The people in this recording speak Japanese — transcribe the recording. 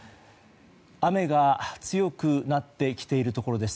雨が強くなってきているところです。